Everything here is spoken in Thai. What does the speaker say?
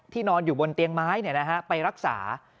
ที่นอนอยู่บนเตียงไม้เนี่ยนะคะไปรักษา